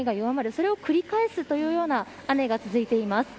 それを繰り返すというような雨が続いてます。